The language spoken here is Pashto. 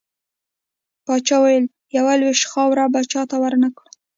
پاچا وويل: يوه لوېشت خاوړه به چاته ورنه کړه .